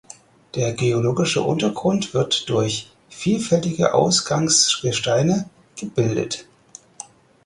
Der geologische Untergrund wird durch vielfältige Ausgangsgesteine gebildet.